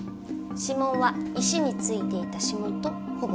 指紋は石についていた指紋とほぼ一致。